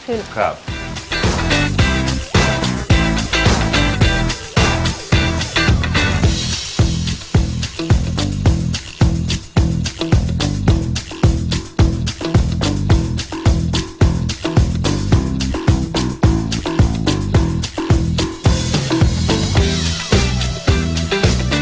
ครับ